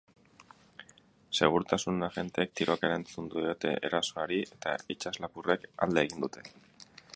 Segurtasun agenteek tiroka erantzun diote erasoari eta itsaslapurrek alde egin dute.